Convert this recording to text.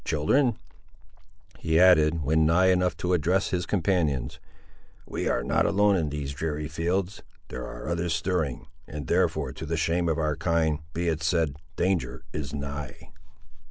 Children," he added, when nigh enough to address his companions, "we are not alone in these dreary fields; there are others stirring, and, therefore, to the shame of our kind, be it said, danger is nigh."